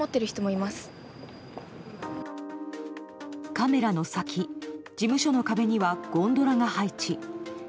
カメラの先、事務所の壁にはゴンドラが配置。